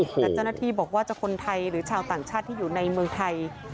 แต่เจ้าหน้าที่บอกว่าจะคนไทยหรือชาวต่างชาติที่อยู่ในเมืองไทย